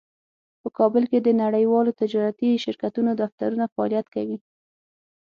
په کابل کې د نړیوالو تجارتي شرکتونو دفترونه فعالیت کوي